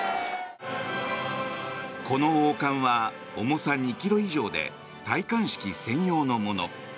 この王冠は重さ２ｋｇ以上で戴冠式専用のもの。